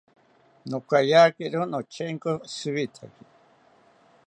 Nokayakiro notyenko shiwithaki